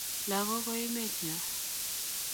Lakok ko emet nyo